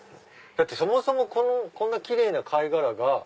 そもそもこんな奇麗な貝殻が。